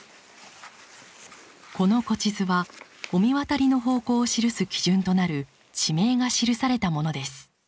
この古地図は御神渡りの方向を記す基準となる地名が示されたものです。